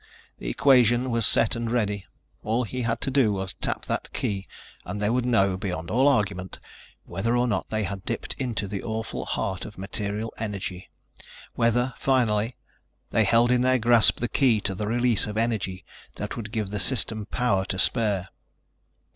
The equation was set and ready. All he had to do was tap that key and they would know, beyond all argument, whether or not they had dipped into the awful heart of material energy; whether, finally, they held in their grasp the key to the release of energy that would give the System power to spare.